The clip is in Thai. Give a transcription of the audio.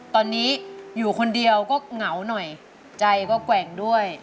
ตอนนี้อยู่คนเดียวก็เหงาหน่อยใจก็แกว่งด้วย